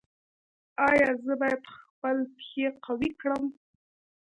ایا زه باید خپل پښې قوي کړم؟